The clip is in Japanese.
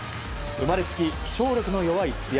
生まれつき聴力の弱い津屋。